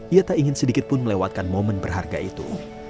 ia tak ingin sedikit pun melewatkan momen berharga itu